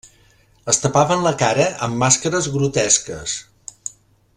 Es tapaven la cara amb màscares grotesques.